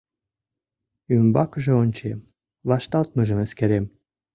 Ӱмбакыже ончем, вашталтмыжым эскерем.